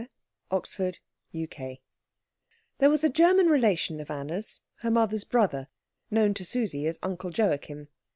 CHAPTER II There was a German relation of Anna's, her mother's brother, known to Susie as Uncle Joachim.